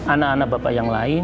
anak anak bapak yang lain